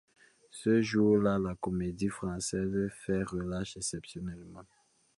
Ce jour-là, la Comédie-Française fait relâche exceptionnellement.